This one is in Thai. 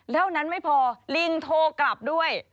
เท่านั้นไม่พอลิงโทรกลับด้วย